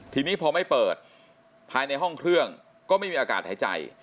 ทีนี้พอไม่เปิดภายในห้องเครื่องก็ไม่มีอากาศหายใจ